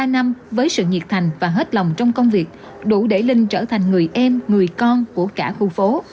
ba năm với sự nhiệt thành và hết lòng trong công việc đủ để linh trở thành người em người con của cả khu phố